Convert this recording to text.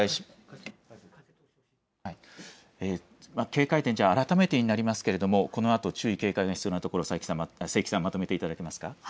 警戒点、改めてになりますけれどもこのあとこのあと注意、警戒が必要なところをまとめていただけますか。